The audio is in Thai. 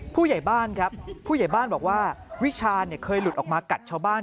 ผู้ใหญ่บ้านครับผู้ใหญ่บ้านบอกว่าวิชาณเคยหลุดออกมากัดชาวบ้าน